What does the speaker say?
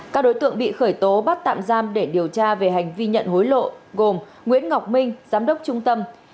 các đối tượng bị khởi tố bắt tạm giam để điều tra về hành vi nhận hối lộ gồm nguyễn ngọc minh giám đốc trung tâm